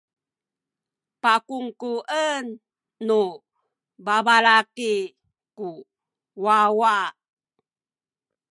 pakungkuen nu babalaki ku wawa.